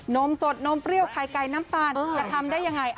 มสดนมเปรี้ยวไข่ไก่น้ำตาลจะทำได้ยังไง